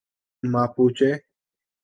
Mapuche